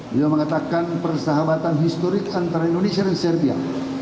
beliau mengatakan persahabatan historik antara indonesia dan serbia